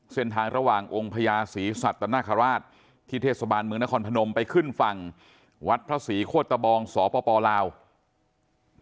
เส้นทางระหว่างองค์พญาศรีสัตนคราชที่เทศบาลเมืองนครพนมไปขึ้นฝั่งวัดพระศรีโคตะบองสปลาว